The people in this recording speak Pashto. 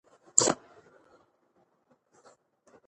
تاسو به کله د نجونو ښوونځي پرانیزئ؟